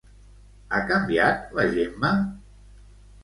Ha canviat la Gemma?